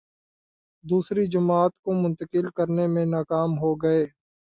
دوسری جماعت کو منتقل کرنے میں کامیاب ہو گئے۔